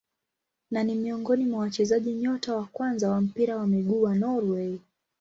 Na ni miongoni mwa wachezaji nyota wa kwanza wa mpira wa miguu wa Norway.